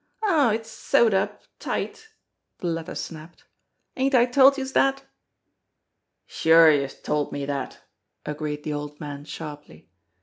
"Aw, it's sewed up tight !" the latter snapoed. "Ain't I told youse dat?" "Sure, youse told me dat," agreed the old man sharply.